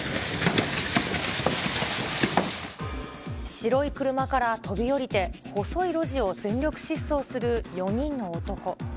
白い車から飛び降りて、細い路地を全力疾走する４人の男。